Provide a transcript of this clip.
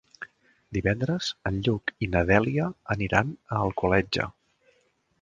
Divendres en Lluc i na Dèlia aniran a Alcoletge.